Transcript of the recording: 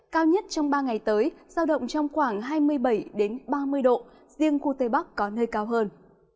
cao nhất trong ba ngày tới giao động trong khoảng hai mươi bảy ba mươi độ riêng khu tây bắc có nơi cao hơn